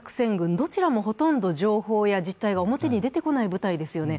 どちらも情報や実態が表に出てこない部隊ですよね。